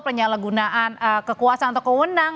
penyalahgunaan kekuasaan atau kewenangan